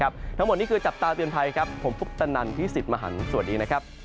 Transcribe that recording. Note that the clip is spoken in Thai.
ทั้งหมดนี้คือจับตาเตือนไทยผมพุกตะนันที่สิตมหันต์สวัสดี